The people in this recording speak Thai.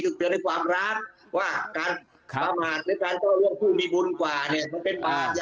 เราก็เกลียดด้วยความรักว่าการประมาทแล้วกับเรื่องผู้มีบุญกว่าเนี่ย